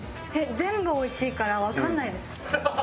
全部美味しいからわかんないです。